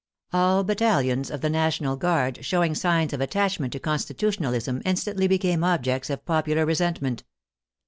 All battalions of the National Guard showing signs of attachment to Con stitutionalism instantly became objects of popular resent ment.